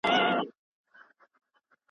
ولې ملتپال غورځنګ بريالی شو؟